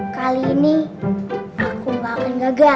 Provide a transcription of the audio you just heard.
kali ini aku nggak akan gagal